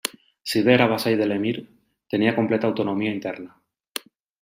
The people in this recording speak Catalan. Si bé era vassall de l'emir, tenia completa autonomia interna.